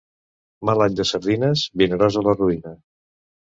Mal any de sardines, Vinaròs a la ruïna.